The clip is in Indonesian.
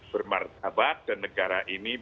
bermartabat dan negara ini